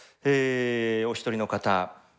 お一人の方。